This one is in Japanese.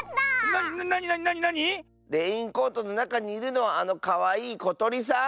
なになになに⁉レインコートのなかにいるのはあのかわいいことりさん！